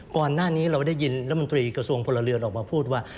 ก่อนหน้านี้เราได้ยินรัฐมนตรีกระทรวงพลเรือนออกมาพูดว่า